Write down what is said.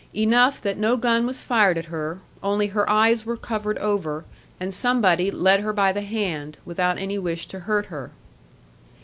Enough that no gun was fired at her, only her eyes were covered over, and somebody led her by the hand, without any wish to hurt her.